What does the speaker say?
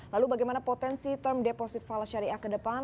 lalu bagaimana potensi term deposit falas syariah ke depan